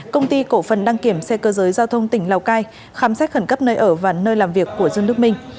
công ty cổ phần đăng kiểm xe cơ giới giao thông tỉnh lào cai khám xét khẩn cấp nơi ở và nơi làm việc của dương đức minh